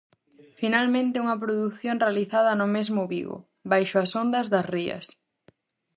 Finalmente, unha produción realizada no mesmo Vigo, "Baixo as ondas das Rías".